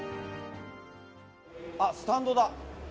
あっ、スタンドだ。